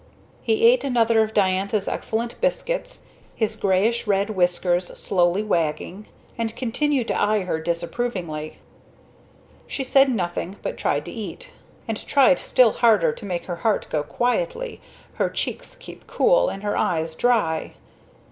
He ate another of Diantha's excellent biscuits, his greyish red whiskers slowly wagging; and continued to eye her disapprovingly. She said nothing, but tried to eat; and tried still harder to make her heart go quietly, her cheeks keep cool, and her eyes dry. Mrs.